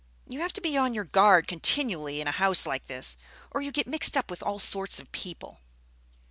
You have to be on your guard continually in a house like this, or you get mixed up with all sorts of people."